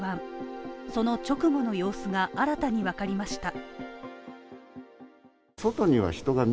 その直後の様子が新たにわかりました。